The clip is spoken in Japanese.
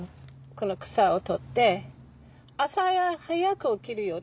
この草を取って朝早く起きるよ。